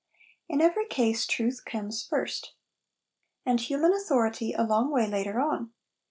In every case truth comes first: and human authority a long way later on.